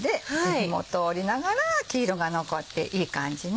火も通りながら黄色が残っていい感じね。